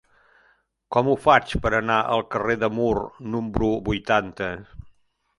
Com ho faig per anar al carrer de Mur número vuitanta?